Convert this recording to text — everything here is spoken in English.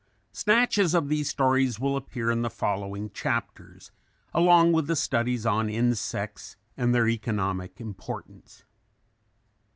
Snatches of these stories will appear in the following chapters along with the studies on insects and their economic importance.